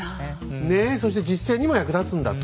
ねえそして実践にも役立つんだと。